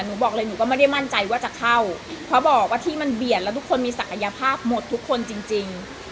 หนูบอกเลยหนูก็ไม่ได้มั่นใจว่าจะเข้าเพราะบอกว่าที่มันเบียดแล้วทุกคนมีศักยภาพหมดทุกคนจริงจริง